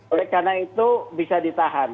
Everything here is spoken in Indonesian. oleh karena itu bisa ditahan